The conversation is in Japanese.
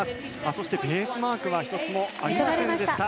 そして、ベースマークは１つもありませんでした。